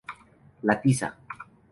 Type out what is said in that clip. La tiza.